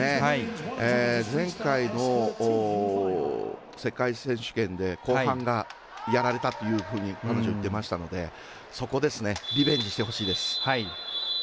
前回の世界選手権で後半がやられたというふうに彼女、言ってましたのでそこですねリベンジしてほしいです。